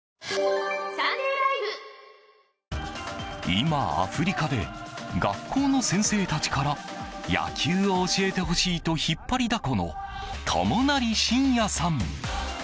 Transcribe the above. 今、アフリカで学校の先生たちから野球を教えてほしいと引っ張りだこの友成晋也さん。